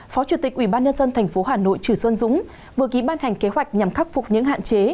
phó chủ tịch ubnd tp hà nội trừ xuân dũng vừa ký ban hành kế hoạch nhằm khắc phục những hạn chế